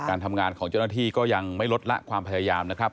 การทำงานของเจ้าหน้าที่ก็ยังไม่ลดละความพยายามนะครับ